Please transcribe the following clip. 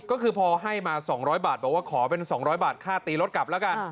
ก็คือพอให้มา๒๐๐บาทบอกว่าขอเป็น๒๐๐บาทค่าตีรถกลับแล้วกัน